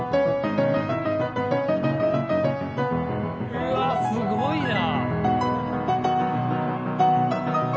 うわっすごいな。